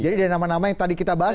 jadi dari nama nama yang tadi kita bahas